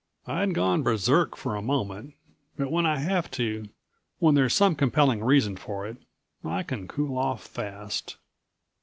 I'd gone berserk for a moment, but when I have to, when there's some compelling reason for it, I can cool off fast.